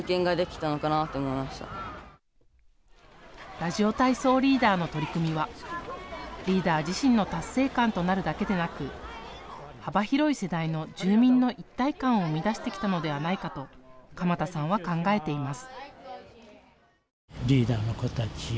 ラジオ体操リーダーの取り組みはリーダー自身の達成感となるだけでなく、幅広い世代の住民の一体感を生み出してきたのではないかと鎌田さんは考えています。